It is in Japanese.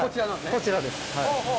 こちらです。